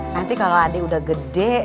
nanti kalau adik udah gede